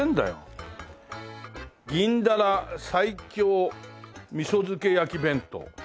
「銀だら西京味噌漬け焼き弁当」